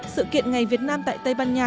sự kiện ngày việt nam tại tây ban nha